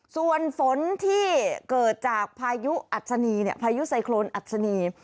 ส่วนฝนที่เกิดจากพายุอัศนีพายุไซโครนอัศนี